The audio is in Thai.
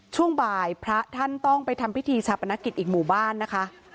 ช่วงบ่ายพระท่านต้องไปทำพิธีชาปนกิจอีกหมู่บ้านนะคะ